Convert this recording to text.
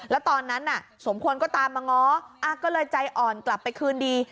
แล้วตอนนั้นน่ะสมควรก็ตามมาง้อก็เลยใจอ่อนกลับไปคืนดี